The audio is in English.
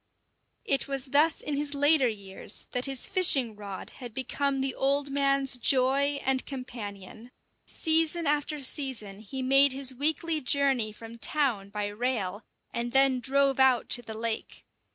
It was thus in his later years that his fishing rod had become the old man's joy and companion. Season after season he made his weekly journey from town by rail, and then drove out to the lake.